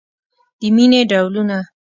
د مینې ډولونه